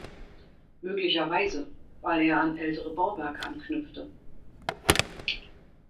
Möglicherweise, weil er an ältere Bauwerke anknüpfte.